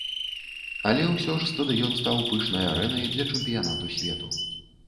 Але ўсё ж стадыён стаў пышнай арэнай для чэмпіянату свету.